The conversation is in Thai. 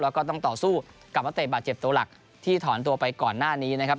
แล้วก็ต้องต่อสู้กับนักเตะบาดเจ็บตัวหลักที่ถอนตัวไปก่อนหน้านี้นะครับ